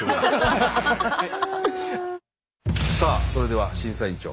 さあそれでは審査員長。